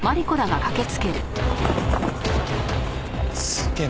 すげえ。